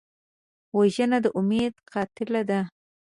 وژنه د امید قاتله ده